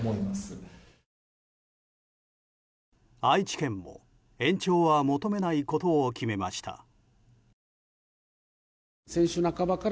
愛知県も延長は求めないことを決めました。